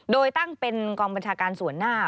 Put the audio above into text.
โดยตั้งเป็นกองบัญชาการส่วนหน้า